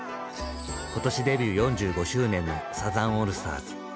今年デビュー４５周年のサザンオールスターズ。